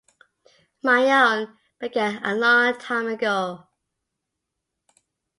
My own began along time ago!